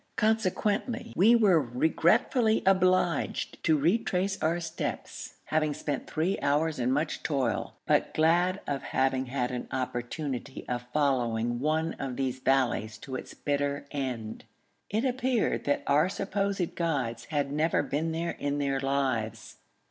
Consequently we were regretfully obliged retrace our steps, having spent three hours and much toil, but glad of having had an opportunity of following one of these valleys to its bitter end. It appeared that our supposed guides had never been there in their lives.